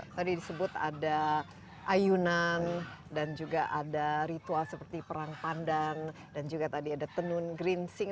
tadi disebut ada ayunan dan juga ada ritual seperti perang pandan dan juga tadi ada tenun geringsing